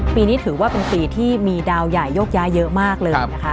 ปีนี้ถือว่าเป็นปีที่มีดาวใหญ่โยกย้ายเยอะมากเลยนะคะ